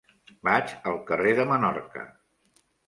Vaig al carrer de Menorca.